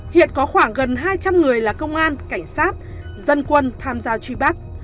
hiện có khoảng gần hai trăm linh người là công an cảnh sát dân quân tham gia truy bắt